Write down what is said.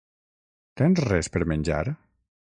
Tens res per menjar?